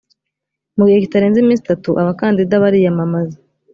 mu gihe kitarenze iminsi itatu abakandida bariyamamaza